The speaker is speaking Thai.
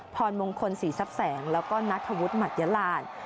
พรมงคลศรีทรัพย์แสงแล้วก็นัทธวุฒิหมัดยลาน